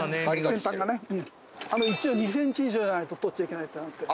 先端がねうん一応２ｃｍ以上じゃないと採っちゃいけないってなってる